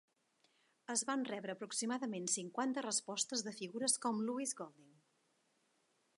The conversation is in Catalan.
Es van rebre aproximadament cinquanta respostes de figures com Louis Golding.